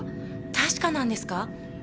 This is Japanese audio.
確かなんですか？